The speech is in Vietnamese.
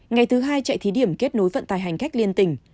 ngày thứ hai chạy thí điểm kết nối vận tải hành khách liên tỉnh